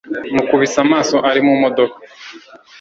mukubise amaso ari mu modoka